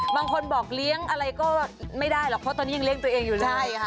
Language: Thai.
บางคนบอกเลี้ยงอะไรก็ไม่ได้หรอกเพราะตอนนี้ยังเลี้ยงตัวเองอยู่เลยใช่ค่ะ